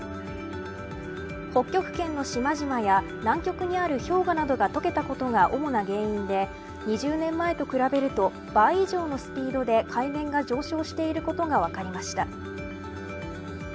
北極圏の島々や南極にある氷河などが解けたことが主な原因で２０年前と比べると倍以上のスピードで海面が上昇していることが分かりました。